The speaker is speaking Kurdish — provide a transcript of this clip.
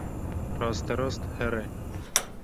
Rasterast here.